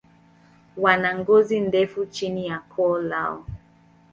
Wana ngozi ndefu chini ya koo lao.